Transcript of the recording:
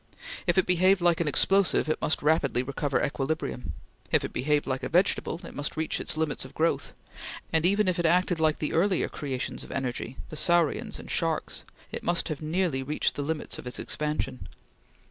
If it behaved like an explosive, it must rapidly recover equilibrium; if it behaved like a vegetable, it must reach its limits of growth; and even if it acted like the earlier creations of energy the saurians and sharks it must have nearly reached the limits of its expansion.